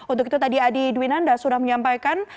untuk itu tadi adi dwinanda sudah menyampaikan